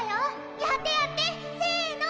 やってやってせの！